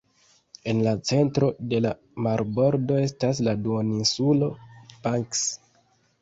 En la centro de la marbordo estas la Duoninsulo Banks.